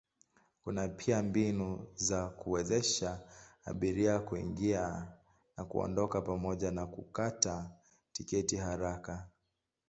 Kuna pia mbinu za kuwezesha abiria kuingia na kuondoka pamoja na kukata tiketi haraka.